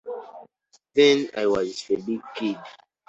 Then I was the big kid.